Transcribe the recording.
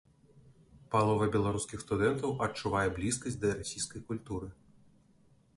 Палова беларускіх студэнтаў адчувае блізкасць да расійскай культуры.